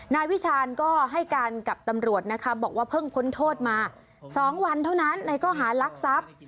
นายวิชาณก็ให้การกับตำรวจนะคะบอกว่าเพิ่งพ้นโทษมา๒วันเท่านั้นในข้อหารักทรัพย์